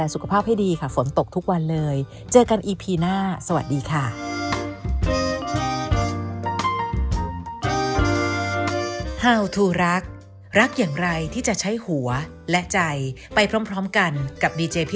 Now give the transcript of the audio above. สวัสดีค่ะ